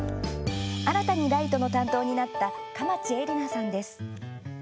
新たにライトの担当になった蒲池エリナさんです。